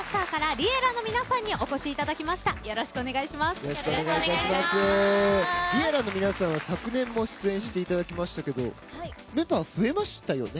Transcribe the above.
Ｌｉｅｌｌａ！の皆さんは昨年も出演していただきましたけれどもメンバー、増えましたよね。